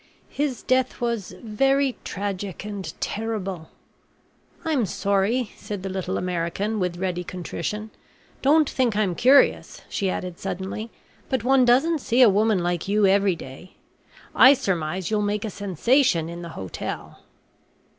"His death was very tragic and terrible." "I'm sorry," said the little American, with ready contrition; "don't think I'm curious," she added, suddenly, "but one doesn't see a woman like you every day. I surmise you'll make a sensation in the hotel."